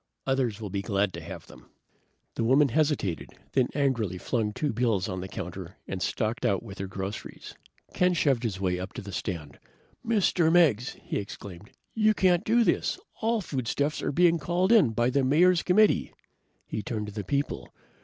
Others will be glad to have them." The woman hesitated, then angrily flung two bills on the counter and stalked out with her groceries. Ken shoved his way up to the stand. "Mr. Meggs," he exclaimed. "You can't do this! All foodstuffs are being called in by the Mayor's committee." He turned to the people.